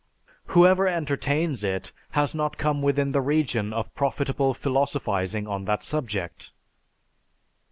Whoever entertains it has not come within the region of profitable philosophizing on that subject."